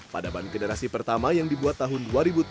pada ban generasi pertama yang dibuat tahun dua ribu tujuh belas